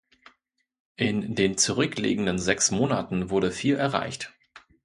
In den zurückliegenden sechs Monaten wurde viel erreicht.